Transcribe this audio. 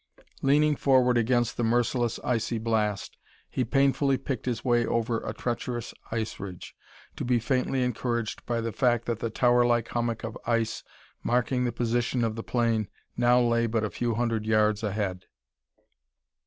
Leaning forward against the merciless icy blast he painfully picked his way over a treacherous ice ridge, to be faintly encouraged by the fact that the towerlike hummock of ice marking the position of the plane now lay but a few hundred yards ahead.